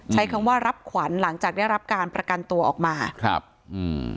ใช้คำว่ารับขวัญหลังจากได้รับการประกันตัวออกมาครับอืม